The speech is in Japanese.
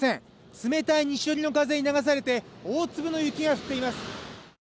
冷たい西寄りの風に流されて大粒の雪が降っています。